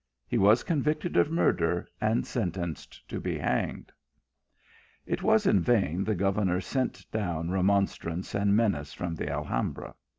He was convicted of murder, and sentenced to be hanged. THE GOVERNOR AND THE NOTARY. 247 It was in vain the governor sent down remon strance and menace from the Alhambra.